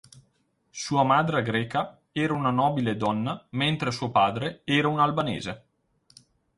Sua madre greca era una nobile donna mentre suo padre era un albanese.